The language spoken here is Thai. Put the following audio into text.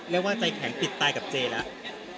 แล้วว่าใจแข็งติดตายกับเจ๊แล้ว